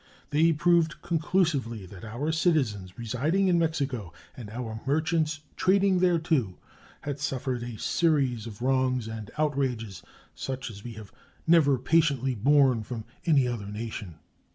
They proved conclusively that our citizens residing in Mexico and our merchants trading thereto had suffered a series of wrongs and outrages such as we have never patiently borne from any other nation.